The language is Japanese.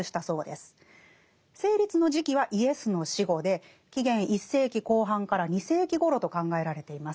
成立の時期はイエスの死後で紀元１世紀後半から２世紀ごろと考えられています。